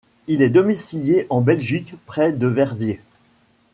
Il est domicilié en Belgique près de Verviers.